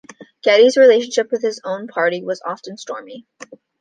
Getty's relationship with his own party was often stormy.